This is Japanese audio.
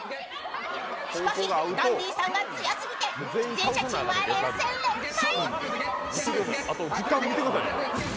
しかし、ダンディさんが強すぎて出演者チームは連戦連敗。